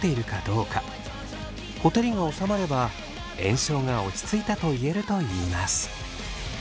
ほてりがおさまれば炎症が落ち着いたと言えるといいます。